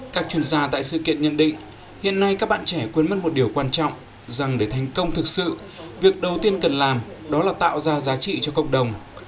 các chuyên gia tại sự kiện nhận định hiện nay các bạn trẻ quên mất một điều quan trọng rằng để thành công thực sự việc đầu tiên cần làm đó là tạo ra giá trị cho cộng đồng